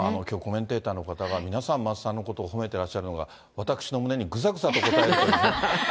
きょうコメンテーターの方が、皆さん桝さんのことを褒めてらっしゃるのが、私の胸にぐさぐさとこたえて。